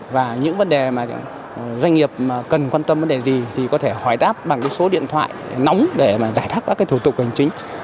và những vấn đề doanh nghiệp cần quan tâm vấn đề gì thì có thể hỏi đáp bằng số điện thoại nóng để giải tháp các thủ tục hành chính